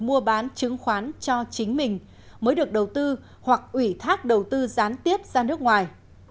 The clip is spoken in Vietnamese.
mua bán chứng khoán cho chính mình mới được đầu tư hoặc ủy thác đầu tư gián tiếp ra nước ngoài